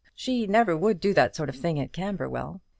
She never would do that sort of thing at Camberwell.